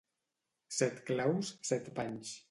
Set claus, set panys.